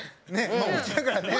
まあおうちだからね。